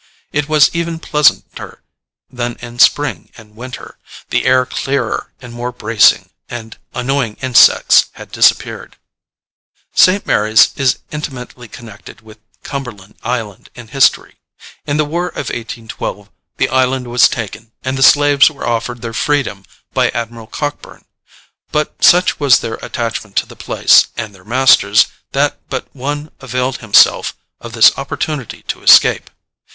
It was even pleasanter than in spring and winter, the air clearer and more bracing, and annoying insects had disappeared. St. Mary's is intimately connected with Cumberland Island in history. In the war of 1812 the island was taken, and the slaves were offered their freedom by Admiral Cockburn; but such was their attachment to the place and their masters that but one availed himself of this opportunity to escape.